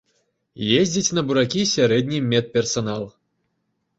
Ездзіць на буракі сярэдні медперсанал.